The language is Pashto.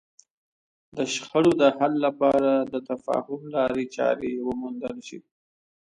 د شخړو د حل لپاره د تفاهم لارې چارې وموندل شي.